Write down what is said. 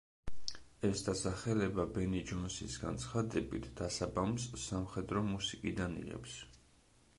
ეს დასახელება ბენი ჯონსის განცხადებით, დასაბამს სამხედრო მუსიკიდან იღებს.